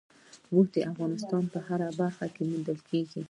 اوښ د افغانستان په هره برخه کې موندل کېږي.